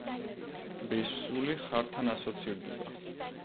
ტბის სული ხართან ასოცირდება.